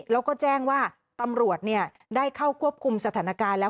แล้วก็แจ้งว่าตำรวจได้เข้าควบคุมสถานการณ์แล้ว